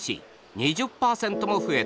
２０％も増えた。